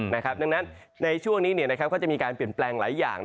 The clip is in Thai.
ดังนั้นในช่วงนี้ก็จะมีการเปลี่ยนแปลงหลายอย่าง